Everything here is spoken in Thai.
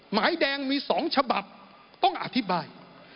หมายแดงมี๒ฉบับต้องอธิบาย